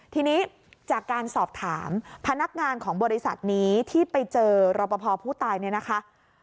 ทีนี้จากการสอบถามพนักงานของบริษัทนี้ที่ไปเจอรอปภผู้ตายเนี่ยนะคะ